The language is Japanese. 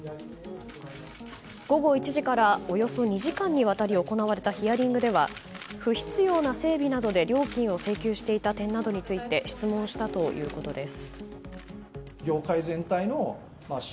午後１時からおよそ２時間にわたり行われたヒアリングでは不必要な整備などで料金を請求していた点などについて質問したということです。